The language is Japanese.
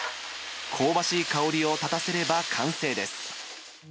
香ばしい香りを立たせれば完成です。